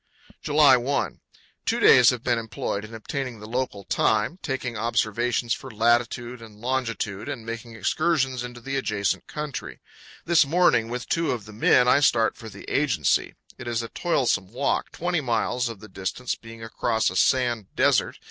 FROM ECHO PARK TO THE MOUTH OF UINTA RIVER. 183 July 1. Two days have been employed in obtaining the local time, taking observations for latitude and longitude, and making excursions into the adjacent country. This morning, with two of the men, I start for the agency. It is a toilsome walk, 20 miles of the distance being across a sand desert.